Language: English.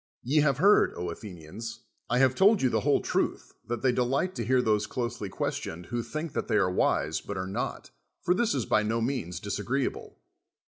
Ye have heard, Athenians. I have told yon the whole truth that they delight to hear those closely questioned who think that they are wise but are not: for this is by no means disagreeable.